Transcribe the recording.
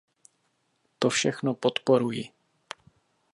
To všechno podporuji.